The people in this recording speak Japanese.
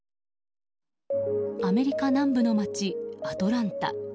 アメリカ南部の町アトランタ。